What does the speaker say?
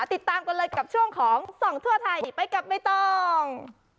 ติดตามกันเลยกับช่วงของส่องทั่วไทยไปกับใบตอง